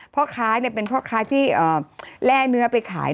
พ่อค้าเป็นพ่อค้าที่แร่เนื้อไปขาย